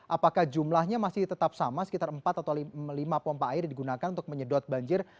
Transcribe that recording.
apakah jumlahnya masih tetap sama sekitar empat atau lima pompa air yang digunakan untuk menyedot banjir